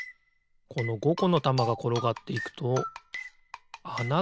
この５このたまがころがっていくとあながあるな。